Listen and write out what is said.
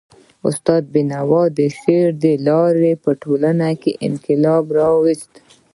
استاد بینوا د شعر د لاري په ټولنه کي انقلاب راوست.